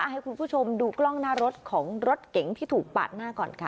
ให้คุณผู้ชมดูกล้องหน้ารถของรถเก๋งที่ถูกปาดหน้าก่อนค่ะ